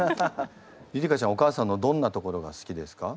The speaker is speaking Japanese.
りり花ちゃんお母さんのどんなところが好きですか？